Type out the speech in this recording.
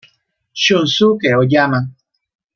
Shunsuke Oyama